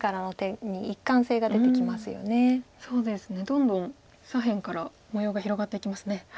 どんどん左辺から模様が広がってきますね。